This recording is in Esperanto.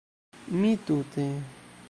Mi tute...